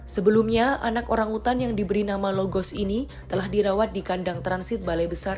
sebelumnya anak orangutan yang diberi nama logos ini telah dirawat di kandang transit balai besar